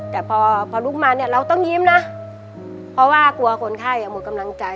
แต่พอพอลุกมาเนี่ยเราต้องยิ้มนะเพราะว่ากลัวคนไข้หมดกำลังใจ